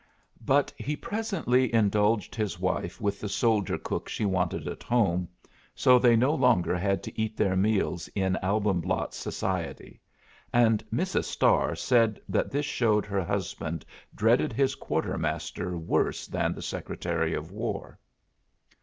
But he presently indulged his wife with the soldier cook she wanted at home, so they no longer had to eat their meals in Albumblatt's society; and Mrs. Starr said that this showed her husband dreaded his quartermaster worse than the Secretary of War.